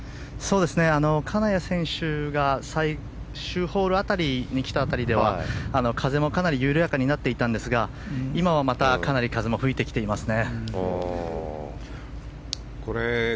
金谷選手が最終ホール辺りに来た当たりでは風もかなり緩やかになっていたんですが今はまた風もかなり吹いてきていますね。